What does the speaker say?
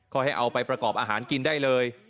ก็ให้เอาไปประกอบอาหารกินได้เลย